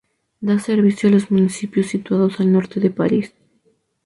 Da servicio a los municipios situados al norte de París.